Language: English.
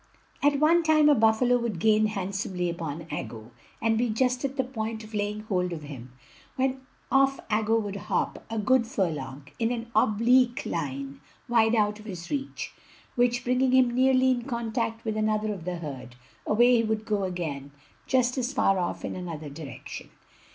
At one time a buffalo would gain handsomely upon Aggo, and be just at the point of laying hold of him, when off Aggo would hop, a good furlong, in an oblique line, wide out of his reach; which bringing him nearly in contact with another of the herd, away he would go again, just as far off in another direction.